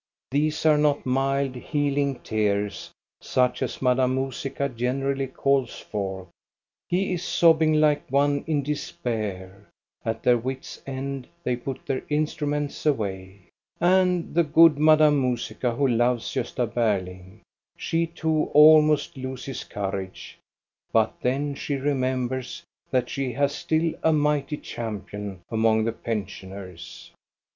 These are not mild, heaUng tears, such as Madame Musica generally calls forth. He is sobbing like one in despair. At their wits' end they put their instru ments away. And the good Madame Musica, who loves Gosta Berling, she too almost loses courage; but then she remembers that she has still a mighty champion among the pensioners.